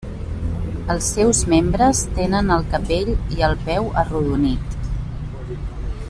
Els seus membres tenen el capell i el peu arrodonit.